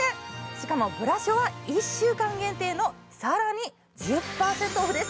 しかもブラショは１週間限定の更に１０％オフです。